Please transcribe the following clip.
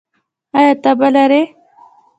ایا تبه لرئ؟